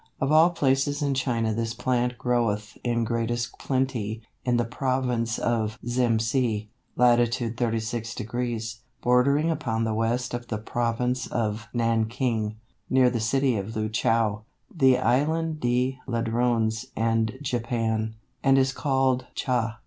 Of all places in China this plant groweth in greatest plenty in the province of Xemsi, latitude 36°, bordering upon the west of the province of Nanking, near the city of Luchow, the Island de Ladrones and Japan, and is called 'Cha.